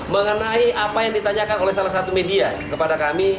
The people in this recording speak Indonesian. mengenai apa yang ditanyakan oleh salah satu media kepada kami